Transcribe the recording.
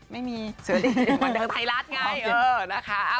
ไม่มีเชิงอีกมันเดินไทรัสไงเออนะคะ